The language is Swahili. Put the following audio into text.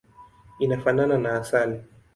Inafanana na asali.